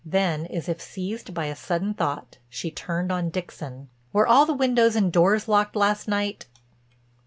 Then as if seized by a sudden thought she turned on Dixon. "Were all the windows and doors locked last night?"